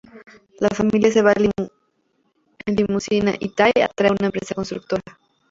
La familia se va en limusina, y Ty trae a una empresa constructora.